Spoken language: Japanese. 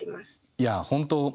いや本当